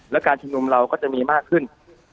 และการชุมนุมเราก็จะมีมากขึ้น